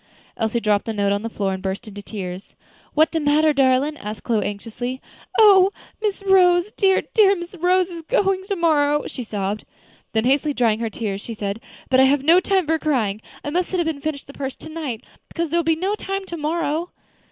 Elsie dropped the note on the floor and burst into tears. "What de matter, darlin'?" asked Chloe, anxiously. "Oh! Miss Rose, dear, dear Miss Rose is going tomorrow," she sobbed. Then hastily drying her eyes, she said: "But I have no time for crying. I must sit up and finish the purse to night, because there will not be time to morrow."